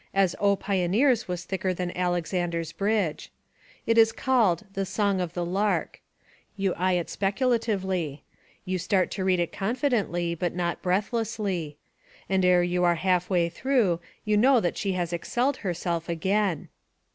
as O Pioneers! was thicker than Alexander's Bridge. It is called The Song of the Lark. You eye it specula tively. You start to read it confidently but not breath lessly. And ere you are halfway through you know that she has excelled herself again.